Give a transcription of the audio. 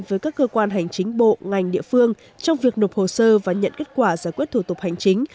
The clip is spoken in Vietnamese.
với các cơ quan hành chính bộ ngành địa phương trong việc nộp hồ sơ và nhận kết quả giải quyết thủ tục hành chính